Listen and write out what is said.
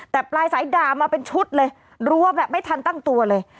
แต่ปลายสายด่ามาเป็นชุดเลยรัวแบบไม่ทันตั้งตัวเลย